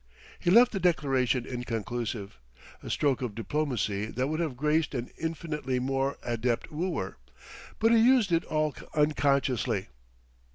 He left the declaration inconclusive a stroke of diplomacy that would have graced an infinitely more adept wooer. But he used it all unconsciously.